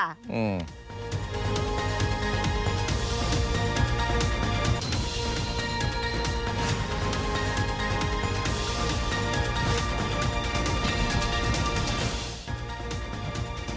อืม